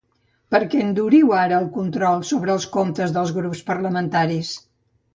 Per què enduriu ara el control sobre els comptes dels grups parlamentaris?